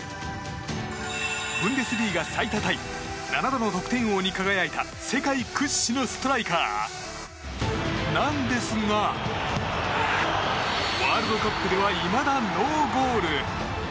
ブンデスリーガ最多タイ７度の得点王に輝いた世界屈指のストライカー！なんですがワールドカップではいまだノーゴール。